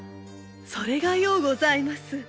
それがようございます。